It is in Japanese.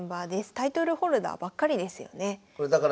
タイトルホルダーばっかりですよね。